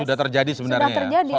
sudah terjadi sebenarnya ya